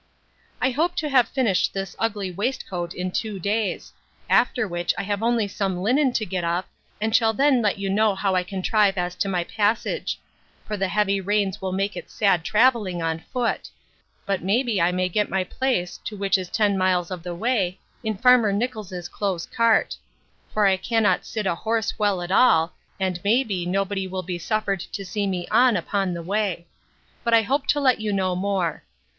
I hope to have finished this ugly waistcoat in two days; after which I have only some linen to get up, and shall then let you know how I contrive as to my passage; for the heavy rains will make it sad travelling on foot: but may be I may get a place to which is ten miles of the way, in farmer Nichols's close cart; for I can't sit a horse well at all, and may be nobody will be suffered to see me on upon the way. But I hope to let you know more.